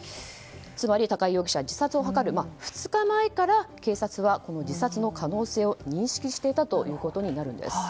つまり、高井容疑者は自殺を図る２日前から警察は自殺の可能性を認識していたことになるんです。